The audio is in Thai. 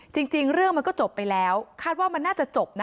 จริงเรื่องมันก็จบไปแล้วคาดว่ามันน่าจะจบนะ